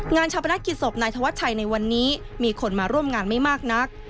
ชาปนักกิจศพนายธวัชชัยในวันนี้มีคนมาร่วมงานไม่มากนัก